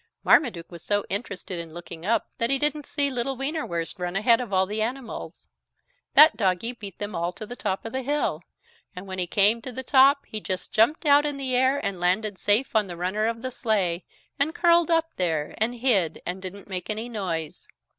Marmaduke was so interested in looking up that he didn't see little Wienerwurst run ahead of all the animals. That doggie beat them all to the top of the hill. And when he came to the top he just jumped out in the air and landed safe on the runner of the sleigh, and curled up there and hid and didn't make any noise.